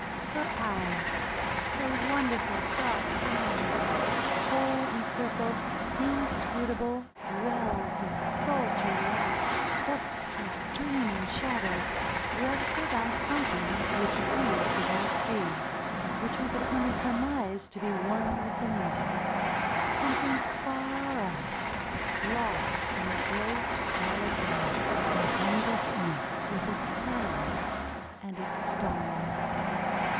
Her eyes — her wonder ful dark eyes, kohl encircled, inscrutable, wells of sultry light, depths of dreaming shadow — rested on something which we could not see, which we could only surmise to be one with the music; something far off, lost in the great quiet night that hemmed us in with its silence and its stars.